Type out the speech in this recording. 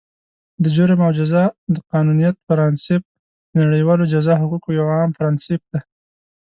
د جرم او جزا د قانونیت پرانسیپ، د نړیوالو جزا حقوقو یو عام پرانسیپ دی.